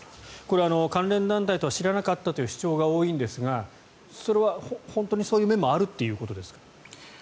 関連団体とは知らなかったという主張が多いんですがそれは本当にそういう面もあるということですか？